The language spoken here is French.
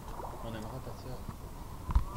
on aimera ta sœur.